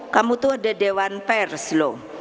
kamu tuh ada dewan pers loh